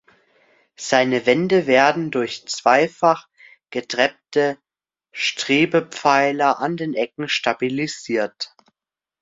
Seine Wände werden durch zweifach getreppte Strebepfeiler an den Ecken stabilisiert.